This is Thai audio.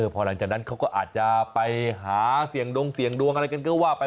พอหลังจากนั้นเขาก็อาจจะไปหาเสี่ยงดงเสี่ยงดวงอะไรกันก็ว่าไป